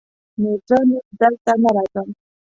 نو زه نور دلته نه راځم.